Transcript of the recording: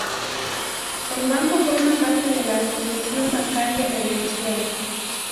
El Banco forma parte de la Asociación Bancaria de Venezuela.